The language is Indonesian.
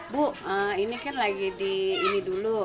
bu ini kan lagi di ini dulu